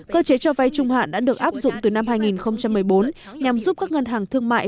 cơ chế cho vay trung hạn đã được áp dụng từ năm hai nghìn một mươi bốn nhằm giúp các ngân hàng thương mại